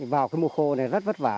vào mùa khô này rất vất vả